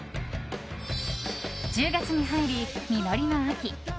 １０月に入り、実りの秋。